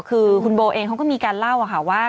คือคุณโบเองเขาก็มีการเล่าค่ะว่า